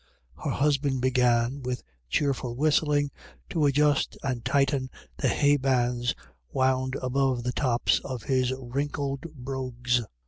Her husband began, with cheerful whistling, to adjust and tighten the hay bands wound above the tops of his wrinkled brogues.